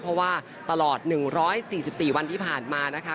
เพราะว่าตลอด๑๔๔วันที่ผ่านมานะคะ